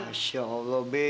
masya allah be